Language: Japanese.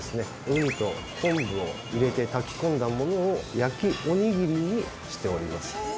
ウニと昆布を入れて炊き込んだものを焼きおにぎりにしております。